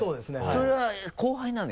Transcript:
それは後輩なの？